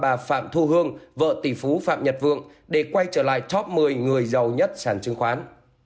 bà phạm thu hương vợ tỷ phú phạm nhật vượng để quay trở lại top một mươi người giàu nhất sản chứng khoán